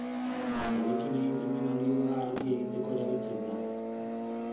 Haiekin egiten den olioa argi egiteko erabiltzen da.